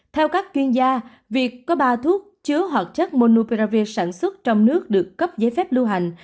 theo các chuyên gia việc có ba thuốc chứa hoạt chất monupravir sản xuất trong nước được cấp giấy phép lưu hành